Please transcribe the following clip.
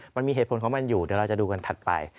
มันมีเหตุผลของมันอยู่เดี๋ยวเราจะดูกันถัดไป